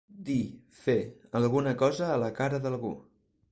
Dir, fer, alguna cosa a la cara d'algú.